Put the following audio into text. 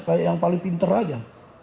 kayak yang paling pinter aja